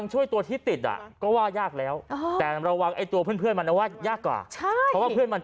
ใจเย็น